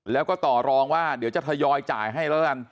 แล้วก็ต่อรองว่าเดี๋ยวจะทยอยจ่ายให้แล้วกัน